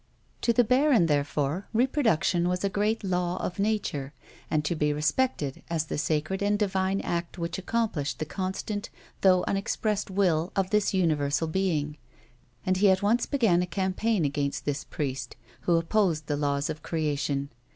To the baron, therefore, reproduction was a great law of Nature, and to be respected as the sacred and divine act which accomplished the constant, though unexpressed, will of this Universal Being ; and he at once began a campaign agair.st this priest who opposed the laws of creation.